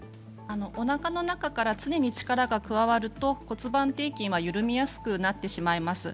おなかの中から常に力が加わると骨盤底筋が緩みやすくなってしまいます。